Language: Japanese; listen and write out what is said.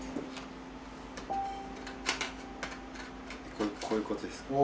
これこういう事ですか？